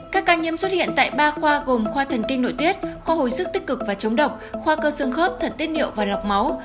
các ca nhiễm xuất hiện tại ba khoa gồm khoa thần kinh nội tiết khoa hồi sức tích cực và chống độc khoa cơ xương khớp thật tiết niệu và lọc máu